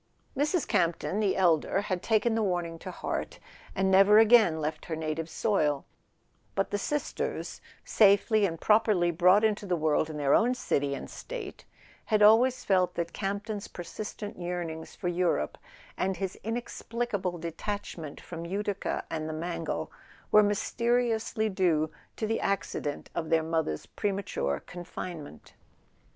Mrs. Campton the elder had taken the warning to heart, and never again left her native soil; but the sisters, safely and properly brought into the world in their own city and State, had always felt that Campton's persistent yearn¬ ings for Europe, and his inexplicable detachment from Utica and the Mangle, were mysteriously due to the accident of their mother's premature confinement.